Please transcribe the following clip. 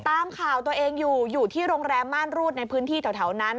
ตามข่าวตัวเองอยู่อยู่ที่โรงแรมม่านรูดในพื้นที่แถวนั้น